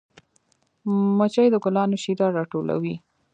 مچۍ د ګلانو شیره راټولوي